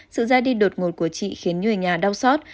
sự ra đi đột ngột của chị khiến người nhà đau xót